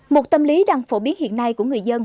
một tâm lý đang phổ biến hiện nay của người dân